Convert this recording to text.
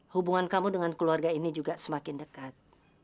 hubungan kamu dengan keluarga ini juga semakin dekat